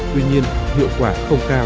tuy nhiên hiệu quả không cao